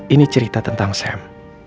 ini cerita tentang sam